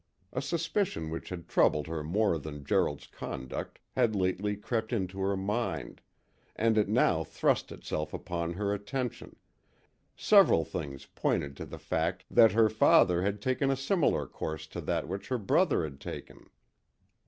A suspicion which had troubled her more than Gerald's conduct had lately crept into her mind, and it now thrust itself upon her attention several things pointed to the fact that her father had taken a similar course to that which her brother had taken.